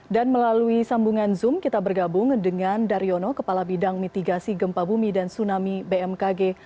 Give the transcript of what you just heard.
dan melalui sambungan zoom kita bergabung dengan daryono kepala bidang mitigasi gempa bumi dan tsunami bmkg